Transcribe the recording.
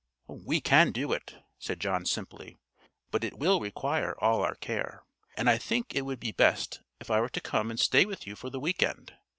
"We can do it," said John simply, "but it will require all our care; and I think it would be best if I were to come and stay with you for the weekend.